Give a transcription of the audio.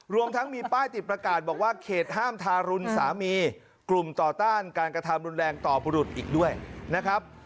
รวมทั้งมีป้ายติดประกาศบอกว่าเขตห้ามทารุณสามีกลุ่มต่อต้านการกระทำรุนแรงต่อบุรุษอีกด้วยนะครับ